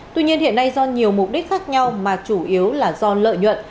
tuy nhiên hiện nay do nhiều mục đích khác nhau mà chủ yếu là do lợi nhuận